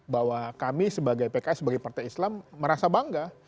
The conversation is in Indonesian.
bahwa kami sebagai pks sebagai partai islam merasa bangga